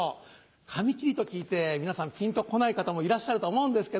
紙切りと聞いて皆さんピンとこない方もいらっしゃると思うんですけど。